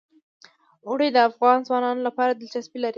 اوړي د افغان ځوانانو لپاره دلچسپي لري.